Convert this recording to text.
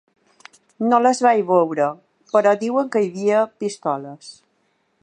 No les vaig veure, però diuen que hi havia pistoles.